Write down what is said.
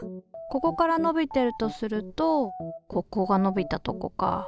ここから伸びてるとするとここが伸びたとこか。